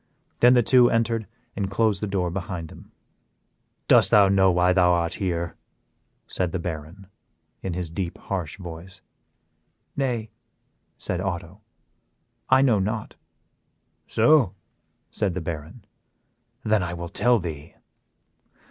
Then the two entered and closed the door behind them. "Dost thou know why thou art here?" said the Baron, in his deep, harsh voice. "Nay," said Otto, "I know not." "So?" said the Baron. "Then I will tell thee.